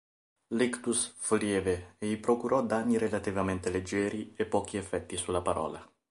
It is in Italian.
L'ictus fu lieve e gli procurò danni relativamente leggeri e pochi effetti sulla parola.